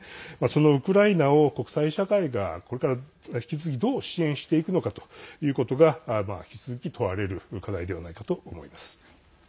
ウクライナを国際社会がこれから引き続きどう支援していくのかということが引き続き問われる課題ではないかと思います。